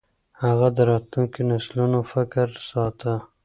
هغه د راتلونکو نسلونو فکر ساته.